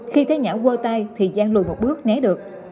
khi thấy nhã quơ tay thì giang lùi một bước né được